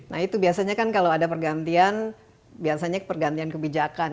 nah itu biasanya kan kalau ada pergantian biasanya pergantian kebijakan